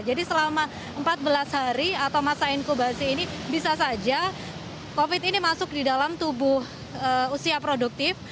jadi selama empat belas hari atau masa inkubasi ini bisa saja covid sembilan belas ini masuk di dalam tubuh usia produktif